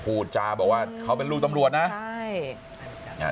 พูดจาบอกว่าเขาเป็นลูกตำรวจนะใช่อ่า